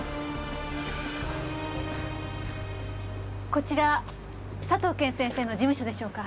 こちら佐藤謙先生の事務所でしょうか？